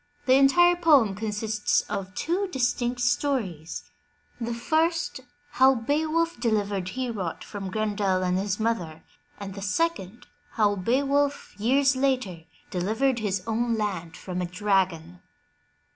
The entire poem consists of two distinct stories, — the first how Beowulf delivered Heorot from Grendel and his mother, and the second, how Beowulf, years later, delivered his own land from a dragon.